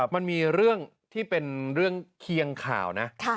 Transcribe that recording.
มันมีเรื่องที่เป็นเรื่องเคียงข่าวนะ